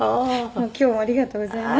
今日もありがとうございます。